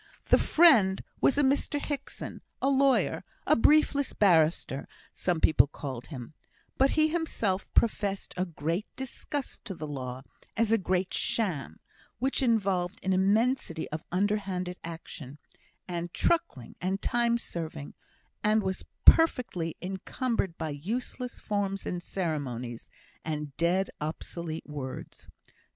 The friend was a Mr Hickson, a lawyer a briefless barrister, some people called him; but he himself professed a great disgust to the law, as a "great sham," which involved an immensity of underhand action, and truckling, and time serving, and was perfectly encumbered by useless forms and ceremonies, and dead obsolete words.